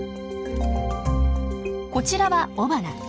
こちらは雄花。